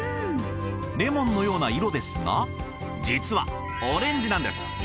レモンのような色ですが実はオレンジなんです。